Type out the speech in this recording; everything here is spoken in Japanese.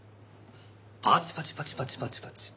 パチパチパチパチパチパチ。